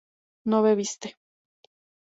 no bebiste